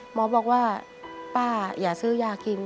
หมอบอกว่าป้าอย่าซื้อยากิน